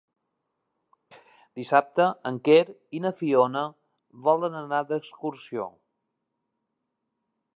Dissabte en Quer i na Fiona volen anar d'excursió.